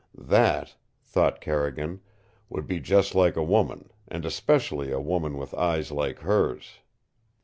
"That," thought Carrigan, "would be just like a woman and especially a woman with eyes like hers."